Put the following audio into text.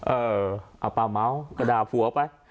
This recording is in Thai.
เออเอาป้าเม้าก็ด่าผัวไป